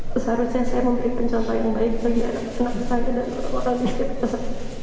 seharusnya saya memberi pencontoh yang baik bagi anak anak saya dan orang orang di sana